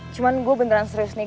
cuma gue beneran serius nih